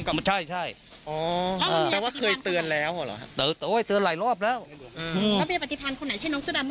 เท่าไหร่ใช่ใช่แล้วเขาเสื้อตัวคนตายนานแล้วว่าเราเป็นเรื่อง